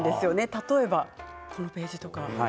例えば、このページ。